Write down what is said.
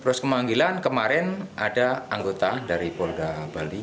proses pemanggilan kemarin ada anggota dari polda bali